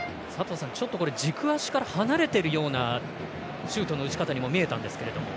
ちょっと軸足から離れてるようなシュートの打ち方にも見えたんですけれども。